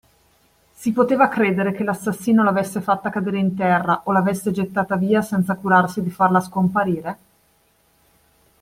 Si poteva credere che l'assassino l'avesse fatta cadere in terra o l'avesse gettata via, senza curarsi di farla scomparire?